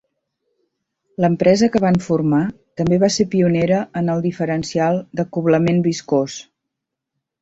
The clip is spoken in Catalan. L'empresa que van formar també va ser pionera en el diferencial d'acoblament viscós.